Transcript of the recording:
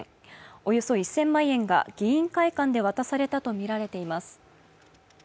およそ１００００万円が議員会館で渡されたとみられています。